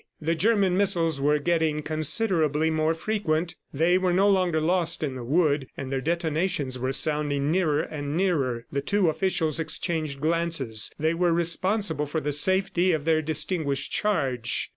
The German missiles were getting considerably more frequent. They were no longer lost in the wood, and their detonations were sounding nearer and nearer. The two officials exchanged glances. They were responsible for the safety of their distinguished charge.